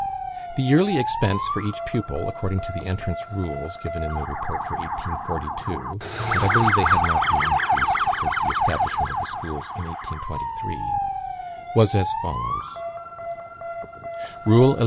The yearly expense for each pupil (according to the entrance rules given in the Report for 1842, and I believe they had not been increased since the establishment of the schools in 1823) was as follows: "Rule 11.